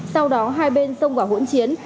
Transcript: sau đó hai bên xông vào hỗn chiến